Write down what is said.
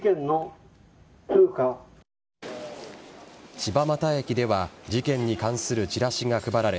柴又駅では事件に関するチラシが配られ